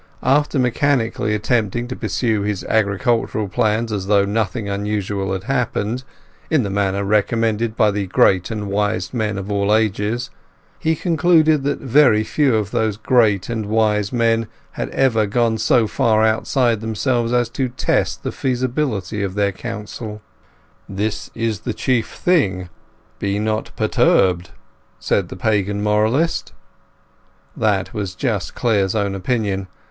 After mechanically attempting to pursue his agricultural plans as though nothing unusual had happened, in the manner recommended by the great and wise men of all ages, he concluded that very few of those great and wise men had ever gone so far outside themselves as to test the feasibility of their counsel. "This is the chief thing: be not perturbed," said the Pagan moralist. That was just Clare's own opinion.